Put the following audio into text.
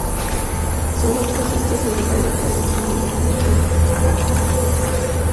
Sólo tras esta segunda batalla son liberados por Aragorn.